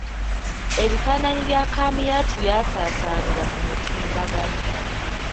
Ebifaananyi bya Kamuyat byasaasaanira ku mutimbagano.